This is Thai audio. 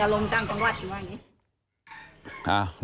อารมณ์จังทั้งวัดนึงว่าอย่างนี้